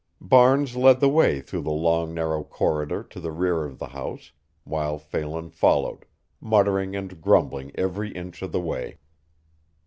Barnes led the way through the long, narrow corridor to the rear of the house, while Phelan followed, muttering and grumbling every inch of the way.